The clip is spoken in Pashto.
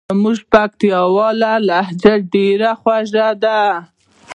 زموږ پکتیکاوالو لهجه ډېره خوژه ده.